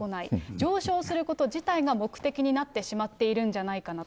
上昇すること自体が目的になってしまっているんじゃないかなと。